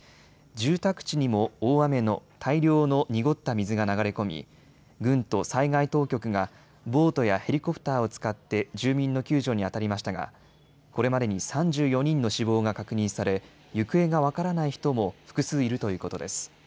住宅地にも大雨の大量の濁った水が流れ込み軍と災害当局がボートやヘリコプターを使って住民の救助にあたりましたがこれまでに３４人の死亡が確認され行方が分からない人も複数いるということです。